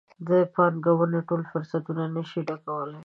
د پانګونې ټول فرصتونه نه شي ډکولی.